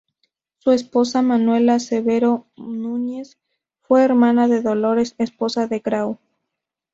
Su esposa, Manuela Cavero Núñez, fue hermana de Dolores, esposa de Grau.